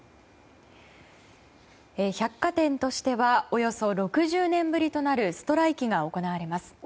百貨店としてはおよそ６０年ぶりとなるストライキが行われます。